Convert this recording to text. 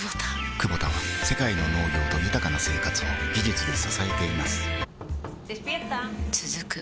クボタは世界の農業と豊かな生活を技術で支えています起きて。